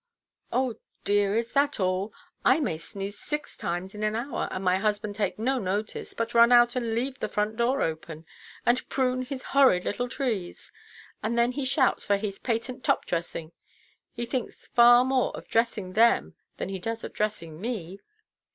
"Oh dear, is that all? I may sneeze six times in an hour, and my husband take no notice, but run out and leave the front door open, and prune his horrid little trees. And then he shouts for his patent top–dressing. He thinks far more of dressing them than he does of dressing me."